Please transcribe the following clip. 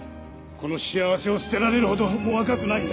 この幸せを捨てられるほどもう若くないんだ。